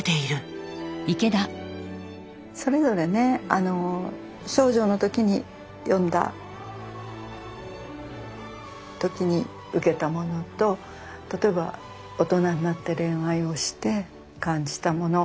それぞれね少女の時に読んだ時に受けたものと例えば大人になって恋愛をして感じたもの。